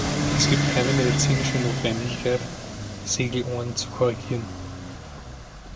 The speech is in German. Es gibt keine medizinische Notwendigkeit, Segelohren zu korrigieren.